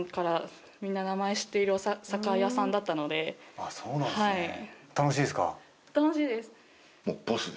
あっそうなんですね。